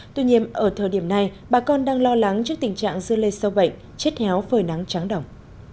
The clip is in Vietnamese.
tuy nhiên ở thời điểm này bà con đang lo lắng trước tình trạng dưa lây sâu bệnh chết héo phơi nắng tráng đồng